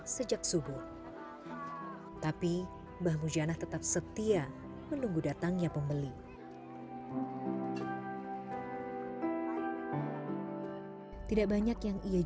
sejak subuh tapi bahmu janah tetap setia menunggu datangnya pembeli tidak banyak